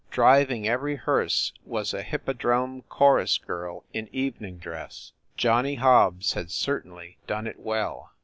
Driving every hearse was a Hippodrome chorus girl in evening dress! Johnny Hobbs had certainly done it well.